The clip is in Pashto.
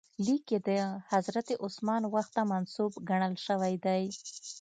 لیک یې د حضرت عثمان وخت ته منسوب ګڼل شوی دی.